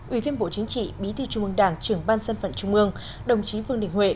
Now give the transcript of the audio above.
ủy viên bộ chính trị bí thư trung ương đảng trưởng ban sân phận trung ương đồng chí vương đình huệ